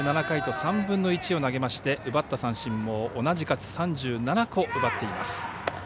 ３７回と３分の１を投げまして奪った三振も同じ数３７個、奪っています。